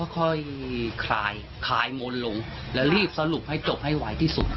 ค่อยคลายมนต์ลงแล้วรีบสรุปให้จบให้ไหวที่สุด